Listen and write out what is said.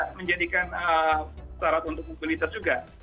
karena ada syarat untuk mobilitas juga